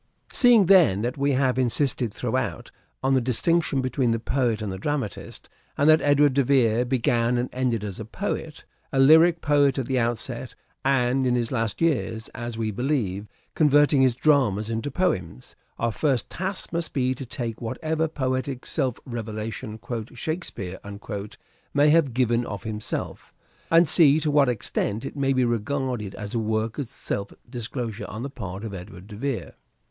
Seeing, then, that we have insisted throughout on the distinction between the poet and the dramatist, and that Edward de Vere began and ended as a poet ; a lyric poet at the outset, and in his last years, as we believe, converting his dramas into poems : our first task must be to take whatever poetic self revelation " Shakespeare " may have given of himself, and see to what extent it may be regarded as a work of self disclosure on the part of Edward de Vere.